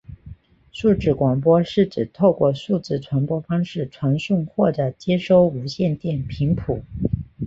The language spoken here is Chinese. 数字广播是指透过数字传播方式传送或者接收无线电频谱。